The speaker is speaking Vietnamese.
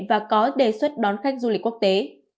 và có đề xuất đón khách du lịch quốc tế